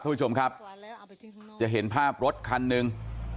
ผู้ชมครับจะเห็นภาพรถคันหนึ่ง